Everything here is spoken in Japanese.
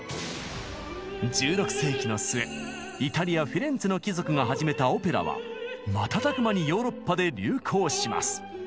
１６世紀の末イタリア・フィレンツェの貴族が始めたオペラは瞬く間にヨーロッパで流行します。